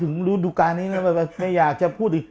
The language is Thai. โอ้ถึงรู้ดูการนี้ไม่อยากจะพูดอีก